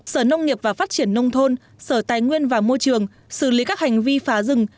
sở nông nghiệp và phát triển nông thôn sở tài nguyên và môi trường xử lý các hành vi phá rừng